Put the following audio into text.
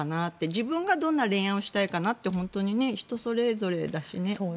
自分がどんな恋愛をしたいかなって人それぞれだしね。